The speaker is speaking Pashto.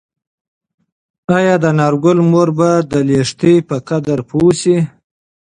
ایا د انارګل مور به د لښتې په قدر پوه شي؟